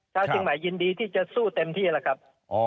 ชาวเชียงใหม่ยินดีที่จะสู้เต็มที่แล้วครับ